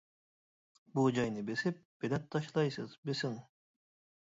بۇ جاينى بېسىپ بېلەت تاشلايسىز، بېسىڭ!